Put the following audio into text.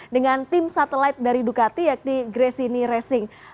dengan tim satelit dari ducati yakni gresini racing